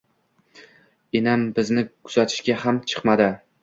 Enam bizni kuzatishga ham chiqmadi